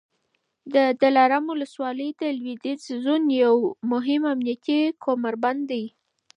د دلارام ولسوالي د لوېدیځ زون یو مهم امنیتي کمربند دی